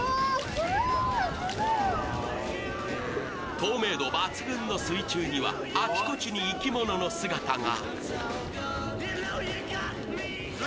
透明度抜群の水中には、あちこちに生き物の姿が。